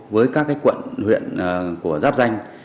với các cái quận huyện của giáp danh